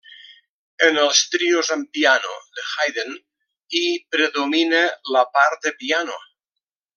En els trios amb piano de Haydn hi predomina la part de piano.